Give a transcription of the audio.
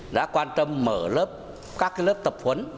đã quan tâm mở lớp các lớp tập huấn